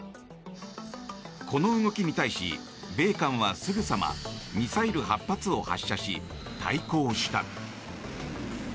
この動きに対し、米韓はすぐさまミサイル８発を発射し対抗した。